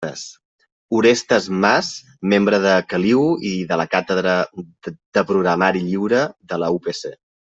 Orestes Mas, membre de Caliu i de la Càtedra de Programari Lliure de la UPC.